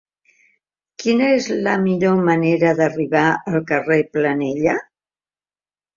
Quina és la millor manera d'arribar al carrer de Planella?